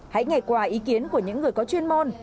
hãy ngày qua ý kiến của những người có chuyên môn